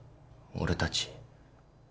俺たち。